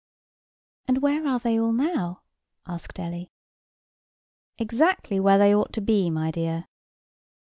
"And where are they all now?" asked Ellie. "Exactly where they ought to be, my dear."